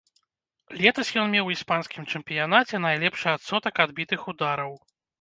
Летась ён меў у іспанскім чэмпіянаце найлепшы адсотак адбітых удараў.